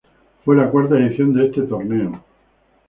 Fue la cuarta edición de este torneo.